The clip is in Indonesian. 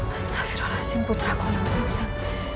astaghfirullahaladzim putraku langsung selesai